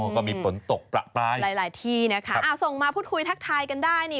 อ๋อก็มีปล่นตกปล่าปลายหลายที่นะคะส่งมาพูดคุยทักทายกันได้